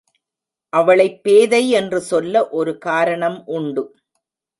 அவளைப் பேதை என்று சொல்ல ஒரு காரணம் உண்டு.